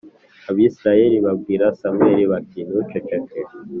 Abisirayeli babwira Samweli bati “ntuceceke”